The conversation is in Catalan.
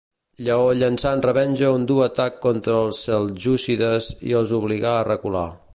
Lleó llançà en revenja un dur atac contra els seljúcides i els obligà a recular.